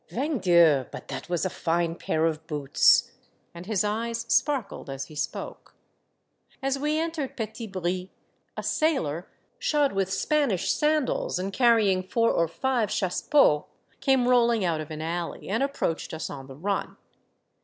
" Vingt dieiix ! but that was a fine pair of boots !" and his eyes sparkled as he spoke. As we entered Petit Bry, a sailor shod with 7 98 Monday Tales, Spanish sandals and carrying four or five chasse pots, came rolling out of an alley and approached us on the run.